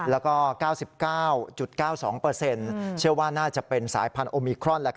แล้วก็๙๙๙๒เชื่อว่าน่าจะเป็นสายพันธุมิครอน